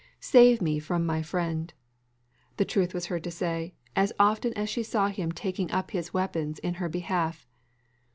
Save me from my friend! the truth was heard to say, as often as she saw him taking up his weapons in her behalf.